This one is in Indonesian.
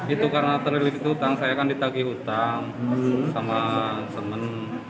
itu karena terlalu banyak utang saya kan ditakih utang sama temen